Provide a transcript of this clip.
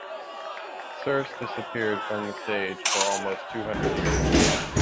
"Serse" disappeared from the stage for almost two hundred years.